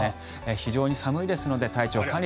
非常に寒いですので体調管理